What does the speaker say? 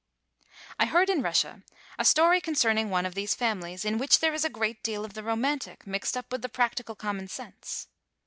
I heard in Russia a story concerning one of these families, in which there is a great deal of the romantic mixed up with practical common sense.